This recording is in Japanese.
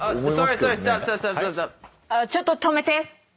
ちょっと止めて！